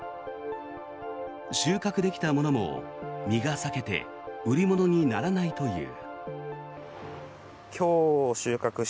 収穫できたものも実が裂けて売り物にならないという。